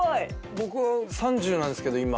僕３０なんすけど今。